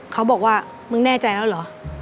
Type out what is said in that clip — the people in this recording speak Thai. เขาบอกว่ามึงแน่ใจแล้วเหรอ